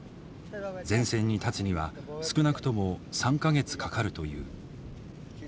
前線に立つには少なくとも３か月かかるという。